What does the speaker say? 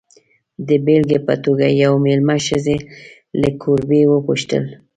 د بېلګې په توګه، یوې مېلمه ښځې له کوربې وپوښتل.